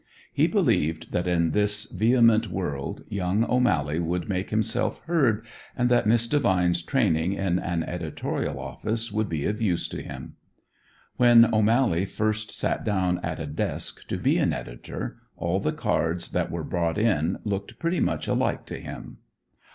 He believed that in this vehement world young O'Mally would make himself heard and that Miss Devine's training in an editorial office would be of use to him. When O'Mally first sat down at a desk to be an editor, all the cards that were brought in looked pretty much alike to him.